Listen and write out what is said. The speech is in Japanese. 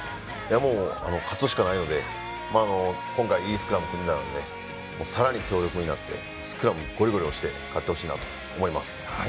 勝つしかないので今回、いいスクラム組めたのでさらに強力になってスクラムをごりごり押して勝ってほしいなと思います。